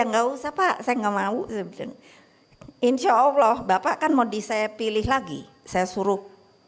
nggak usah pak saya nggak mau bilang insya allah bapak kan mau di saya pilih lagi saya suruh